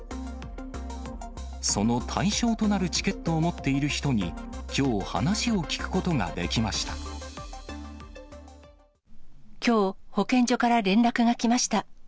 その対象となるチケットを持っている人に、きょう、話を聞くこときょう、保健所から連絡が来ました。